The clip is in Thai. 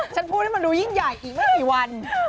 ฉันพูดให้มันดูยิ่งใหญ่อีกไม่กี่วัน